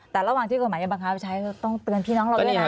แต่ระหว่างที่กฎหมายจะบังคับใช้ต้องเตือนพี่น้องเราด้วยนะ